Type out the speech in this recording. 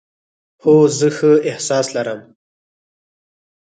هو، زه ښه احساس لرم